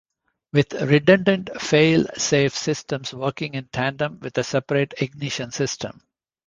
With redundant fail-safe systems working in tandem with a separate ignition system.